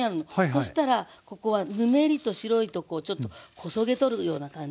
そしたらここはぬめりと白いとこをちょっとこそげ取るような感じ。